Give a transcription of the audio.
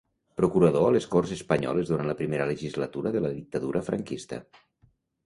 Procurador a les Corts Espanyoles durant la primera legislatura de la dictadura franquista.